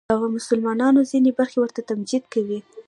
د مسلمانانو ځینې برخې ورته تمجید کوي